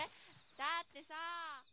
だってさぁ。